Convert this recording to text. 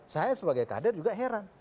saya sebagai kader juga heran